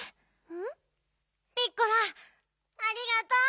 ピッコラありがとう！